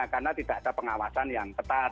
karena tidak ada pengawasan yang ketat